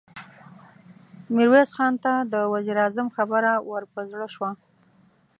ميرويس خان ته د وزير اعظم خبره ور په زړه شوه.